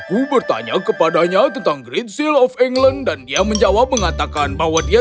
aku tidak tahu aku bertanya kepadanya tentang great seal of england dan dia menjawab mengatakan bahwa dia tidak tahu